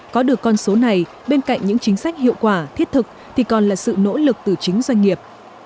có được con số này bên cạnh những chính sách hiệu quả thiết thực thì còn là sự nỗ lực từ chính doanh nghiệp